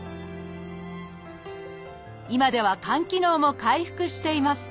今では肝機能も回復しています